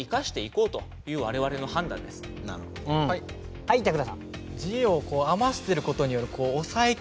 はい板倉さん。